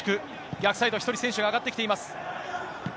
逆サイド、１人選手が上がってきています。